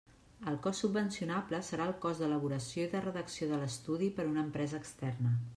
El cost subvencionable serà el cost d'elaboració i de redacció de l'estudi per una empresa externa.